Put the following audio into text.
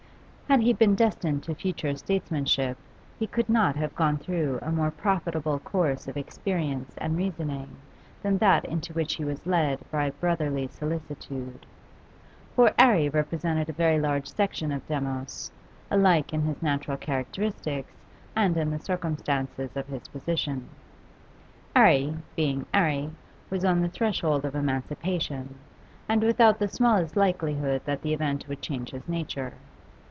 Had he been destined to future statesmanship, he could not have gone through a more profitable course of experience and reasoning than that into which he was led by brotherly solicitude. For 'Arry represented a very large section of Demos, alike in his natural characteristics and in the circumstances of his position; 'Arry, being 'Arry, was on the threshold of emancipation, and without the smallest likelihood that the event would change his nature.